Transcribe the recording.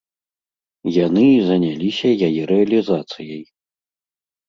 Яны і заняліся яе рэалізацыяй.